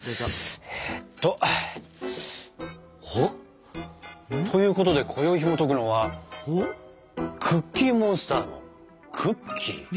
どうぞ。ということでこよいひもとくのは「クッキーモンスターのクッキー」。